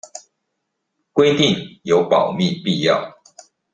規定有保密必要